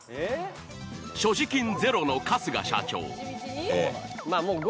所持金ゼロのかすが社長。